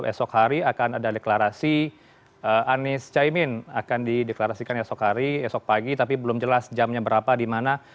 esok hari akan ada deklarasi anies caimin akan dideklarasikan esok hari esok pagi tapi belum jelas jamnya berapa di mana